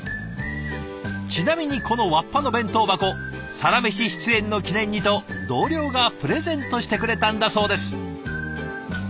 ちなみにこのわっぱの弁当箱「サラメシ」出演の記念にと同僚がプレゼントしてくれたんだそうです。